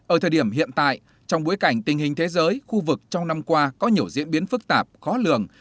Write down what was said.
ở thời điểm hiện tại trong bối cảnh tình hình thế giới khu vực trong năm qua có nhiều diễn biến phức tạp khó lường